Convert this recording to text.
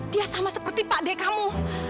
dia sama seperti pak de kamu